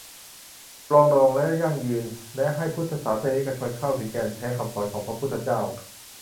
ปรองดอง และยั่งยืน และให้พุทธศาสนิกชนเข้าถึงแก่นแท้คำสอนของพระพุทธเจ้า